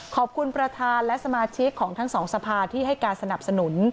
ขอบคุณประธานและสมาชิกของทั้งสองสภาที่ให้การสนับสนุน